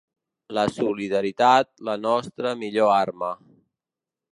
La solidaritat, la nostra millor arma.